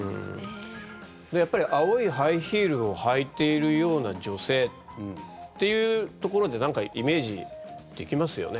やっぱり青いハイヒールを履いているような女性っていうところでなんかイメージできますよね。